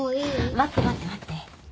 待って待って待って。